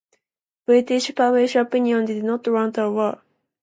British public opinion did not want a war.